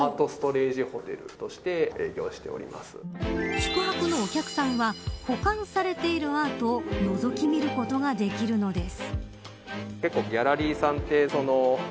宿泊のお客さんは保管されているアートをのぞき見ることができるのです。